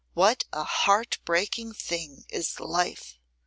what a heart breaking thing is life!